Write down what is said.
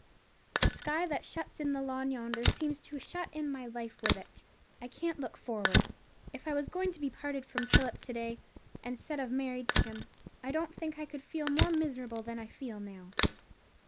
"The sky that shuts in the lawn yonder seems to shut in my life with it. I can't look forward. If I was going to be parted from Philip to day, instead of married to him, I don't think I could feel more miserable than I feel now.